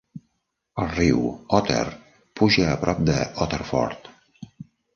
El riu Otter puja a prop d'Otterford.